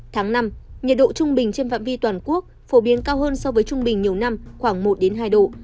tháng năm nhiệt độ trung bình trên phạm vi toàn quốc phổ biến cao hơn so với trung bình nhiều năm khoảng một hai độ